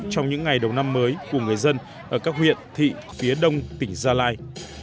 trong những ngày đầu năm mới của người dân ở các huyện thị phía đông tỉnh gia lai